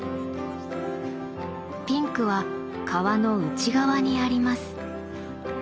ピンクは皮の内側にあります。